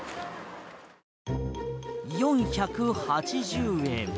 ４８０円。